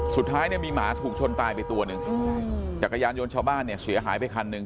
สุดท้ายเนี่ยมีหมาถูกชนตายไปตัวหนึ่งจักรยานยนต์ชาวบ้านเนี่ยเสียหายไปคันหนึ่ง